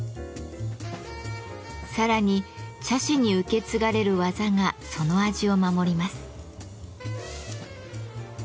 さらに茶師に受け継がれる技がその味を守ります。